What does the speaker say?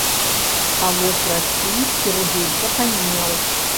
А вось расійскі рубель патаннеў.